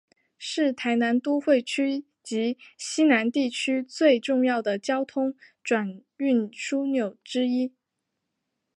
是台南都会区及溪南地区最重要的交通转运枢纽之一。